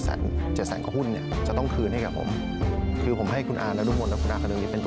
ก็อย่างเป็นเขาก็ทะเลาะกันมาตลอด